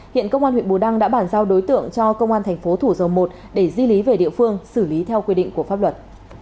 hiện công an huyện bù đăng đã bản giao đối tượng cho công an thành phố thủ dầu một để di lý về địa phương xử lý theo quy định của pháp luật